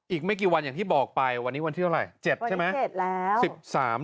อีกไม่กี่วันอย่างที่บอกไปวันนี้วันที่เท่าไหร่๗ใช่ไหม